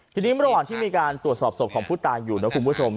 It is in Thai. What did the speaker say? ทีนี้ระหว่างที่มีการตรวจสอบศพของผู้ตายอยู่นะคุณผู้ชม